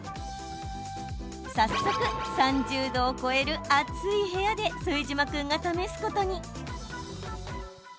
早速、３０度を超える暑い部屋で副島君が試すことに。